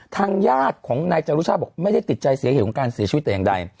ทางญาติของนายจรุชาติบอกไม่ได้ติดใจสาเหตุของการเสียชีวิตแต่อย่างใด